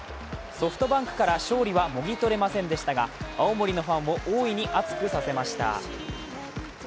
ソフトバンクから勝利はもぎ取れませんでしたが、青森のファンを大いに熱くさせました。